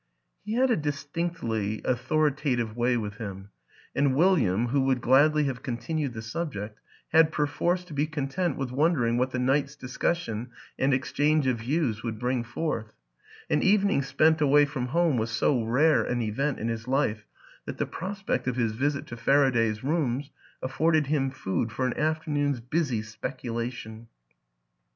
He had a distinctly authoritative way with him, and William, who would gladly have continued the subject, had perforce to be content with won dering what the night's discussion and exchange of " views " would bring forth; an evening spent away from home was so rare an event in his life that the prospect of his visit to Faraday's rooms afforded him food for an afternoon's busy specula tion.